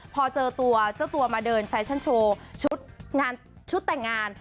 พอเจอตัวเจ้าตัวมาเดินแฟชั่นโชว์ชุดงานชุดแต่งงาน